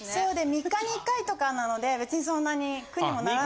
３日に１回とかなので別にそんなに苦にもならないし。